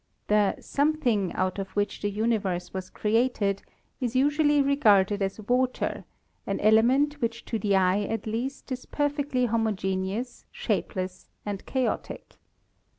The something out of which the universe was created is usually regarded as water, an element which to the eye at least is perfectly homogeneous, shapeless, and chaotic.